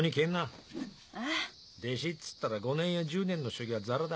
弟子っつったら５年や１０年の修行はザラだ。